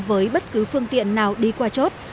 với bất cứ phương tiện nào đi qua chốt